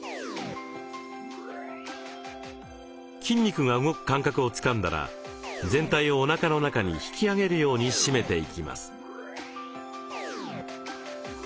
筋肉が動く感覚をつかんだら全体をおなかの中に引き上げるように締めていきます。